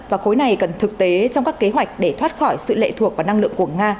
và khối này cần thực tế trong các kế hoạch để thoát khỏi sự lệ thuộc và năng lượng của nga